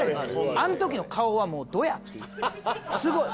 あんときの顔はもうどや！っていうすごい。